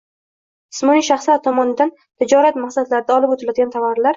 Jismoniy shaxslar tomonidan notijorat maqsadlarda olib o’tiladigan tovarlar